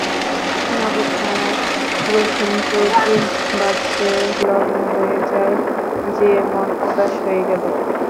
নহবৎখানায় রোশনচৌকি বাজছে–লগ্ন বয়ে যায় যে, মন উদাস হয়ে গেল।